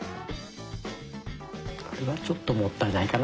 これはちょっともったいないかな。